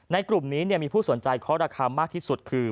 กลุ่มนี้มีผู้สนใจเคาะราคามากที่สุดคือ